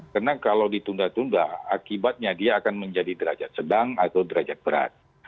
karena kalau ditunda tunda akibatnya dia akan menjadi derajat sedang atau derajat berat